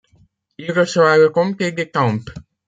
Il reçoit le comté d'Étampes.